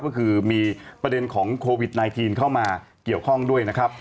ก็คือมีประเด็นของโควิด๑๙เข้ามาเกี่ยวข้องด้วยนะครับ